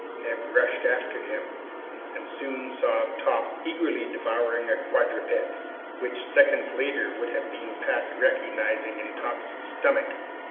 Neb rushed after him, and soon saw Top eagerly devouring a quadruped, which ten seconds later would have been past recognizing in Top's stomach.